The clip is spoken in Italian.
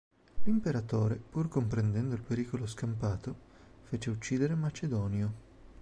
L'imperatore, pur comprendendo il pericolo scampato, fece uccidere Macedonio.